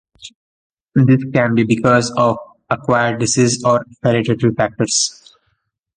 This can be because of acquired disease or hereditary factors.